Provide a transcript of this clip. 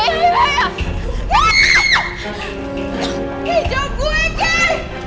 hijau gue kek